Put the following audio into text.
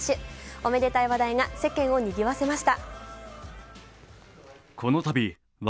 おめでたい話題が世間をにぎわせました。